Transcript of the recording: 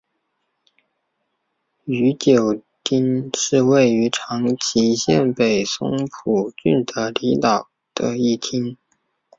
宇久町是位于长崎县北松浦郡的离岛的一町。